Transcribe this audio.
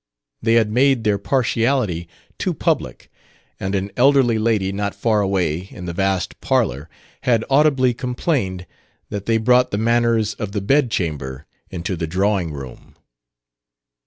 They had made their partiality too public, and an elderly lady not far away in the vast "parlor" had audibly complained that they brought the manners of the bed chamber into the drawing room.